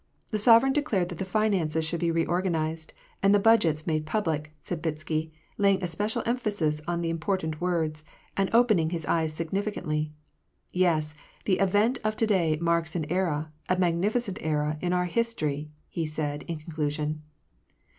The sovereign declared that the finances should be re organized, and the budgets made public," said Bitsky, laying a special emphasis on the impor tant words, and opening his eyes significantly. '^ Yes : the event of to day marks an era, a magnificent era, in our his tory," he said, in conclusion.